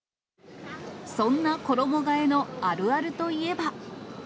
そんな衣がえのあるあるといえば。